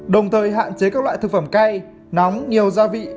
đồng thời hạn chế các loại thực phẩm cay nóng nhiều gia vị